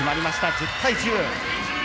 １０対１０。